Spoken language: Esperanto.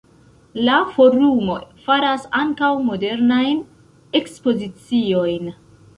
La forumo faras ankaŭ modernajn ekspoziciojn.